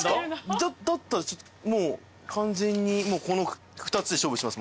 だったらもう完全にこの２つで勝負します。